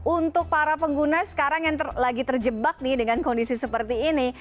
untuk para pengguna sekarang yang lagi terjebak nih dengan kondisi seperti ini